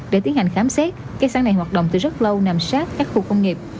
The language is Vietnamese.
để tiến hành khám xét cây xăng này hoạt động từ rất lâu nằm sát các khu công nghiệp